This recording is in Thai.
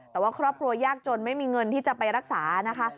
แต่ว่าครอบครัวยากจนไม่มีเงินที่จะไปรักษานะคะ